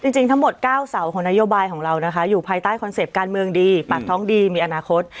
จริงทั้งหมด๙เสาของนโยบายของเรานะคะอยู่ภายใต้คอนเซ็ปต์การเมืองดีปากท้องดีมีอนาคต